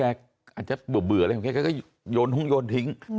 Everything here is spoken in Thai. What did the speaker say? ไม่อยากให้แม่เป็นอะไรไปแล้วนอนร้องไห้แท่ทุกคืน